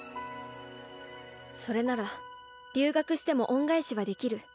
それなら留学しても恩返しはできる。